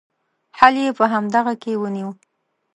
حل یې پر همدغه څه کې وینو.